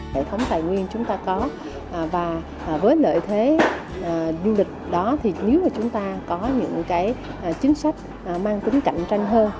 hệ thống tài nguyên chúng ta có và với lợi thế du lịch đó thì nếu mà chúng ta có những cái chính sách mang tính cạnh tranh hơn